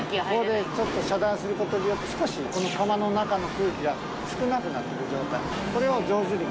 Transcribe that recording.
これでちょっと遮断することによって、少しこの窯の中の空気が少なくなっている状態。